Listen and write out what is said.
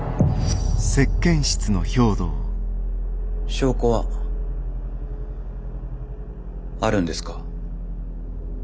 証拠はあるんですか？